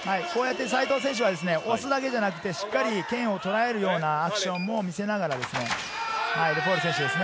西藤選手は押すだけではなく、しっかり剣をとらえるようなアクションも見せながらですね。